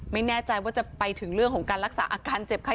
ไม่แน่ใจว่าจะไปถึงเรื่องของการรักษาอาการเจ็บไข้